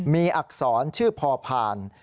มีอักษรชื่อพอผ่าน